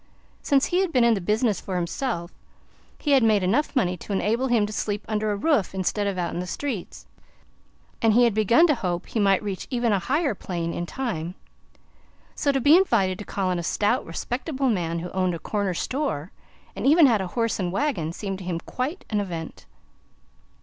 Since he had been in business for himself, he had made enough money to enable him to sleep under a roof instead of out in the streets, and he had begun to hope he might reach even a higher plane, in time. So, to be invited to call on a stout, respectable man who owned a corner store, and even had a horse and wagon, seemed to him quite an event.